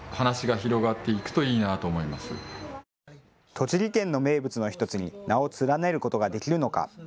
栃木県の名物の１つに名を連ねることができるのか。